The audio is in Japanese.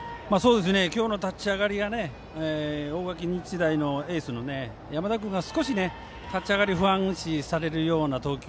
今日の立ち上がりが大垣日大のエースの山田君が少し立ち上がり不安視されるような投球。